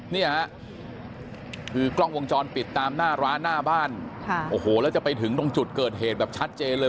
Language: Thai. เนี่ยคือกล้องวงจรปิดตามหน้าร้านหน้าบ้านโอ้โหแล้วจะไปถึงตรงจุดเกิดเหตุแบบชัดเจนเลย